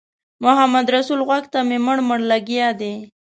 محمدرسول غوږ ته مې مړ مړ لګیا دی.